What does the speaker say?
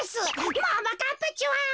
ももかっぱちゃん